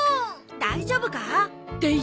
大丈夫か？